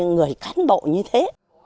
người cán bộ như thế